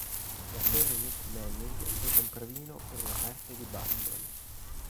L'attore Nick Manning fece un provino per la parte di Batman.